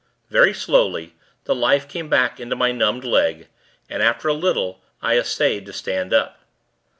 Very slowly, the life came back into my numbed leg, and, after a little, I essayed to stand up.